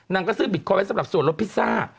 นางก็ซื้อบิตคอนไว้สำหรับส่วนลดพิซซ่า